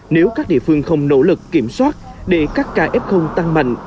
nếu các địa phương không nỗ lực kiểm soát để các kf tăng mạnh